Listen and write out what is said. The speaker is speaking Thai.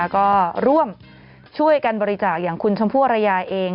ก็ร่วมช่วยกันบริจาคอย่างคุณชมพู่อรยาเอง